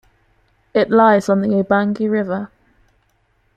It lies on the Ubangi River.